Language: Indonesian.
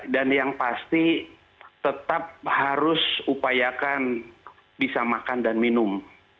dan yang pasti tetap harus upayakan bisa makan dan minum